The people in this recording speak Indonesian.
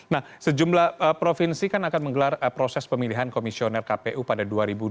nah sejumlah provinsi kan akan menggelar proses pemilihan komisioner kpu pada dua ribu dua puluh